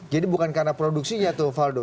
jadi bukan karena produksinya tuh valdo